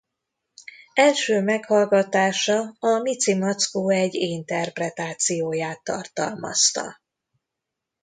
Első meghallgatása a Micimackó egy interpretációját tartalmazta.